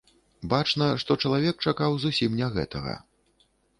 Бачна, што чалавек чакаў зусім не гэтага.